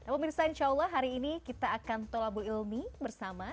pemirsa insya allah hari ini kita akan tolabul ilmi bersama